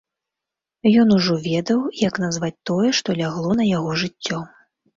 Ён ужо ведаў, як назваць тое, што лягло на яго жыццё.